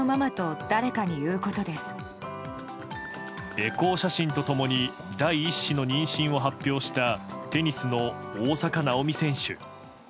エコー写真と共に第一子の妊娠を発表したテニスの大坂なおみ選手。